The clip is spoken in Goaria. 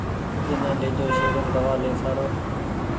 ايني ليجو شهريم دوآ لي سآرون